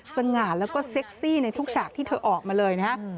สง่าแล้วก็เซ็กซี่ในทุกฉากที่เธอออกมาเลยนะฮะ